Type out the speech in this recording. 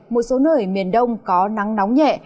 một số nơi miền đông có nắng nóng nhẹ